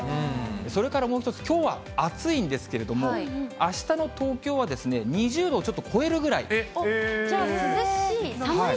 それからもう一つ、きょうは暑いんですけれども、あしたの東京は、じゃあ、涼しい、寒いぐらい？